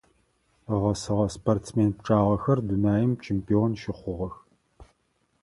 Ыгъэсэгъэ спортсмен пчъагъэхэр дунаим чемпион щыхъугъэх.